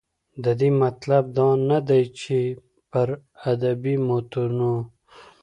د دې مطلب دا نه دى، چې پر ادبي متونو